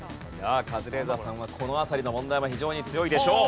カズレーザーさんはこの辺りの問題は非常に強いでしょう。